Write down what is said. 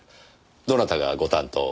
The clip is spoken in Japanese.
どなたがご担当を？